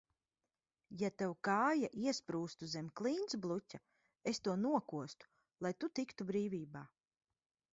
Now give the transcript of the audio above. Ja tev kāja iesprūstu zem klintsbluķa, es to nokostu, lai tu tiktu brīvībā.